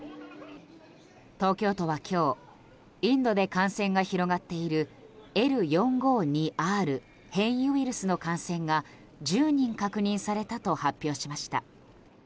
東京都は今日インドで感染が広がっているＬ４５２Ｒ変異ウイルスの感染が１０人確認されたと発表しました。